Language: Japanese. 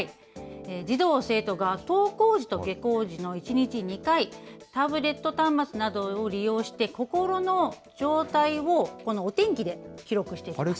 児童・生徒が登校時と下校時の１日２回、タブレット端末などを利用して、心の状態をこのお天気で記録していきます。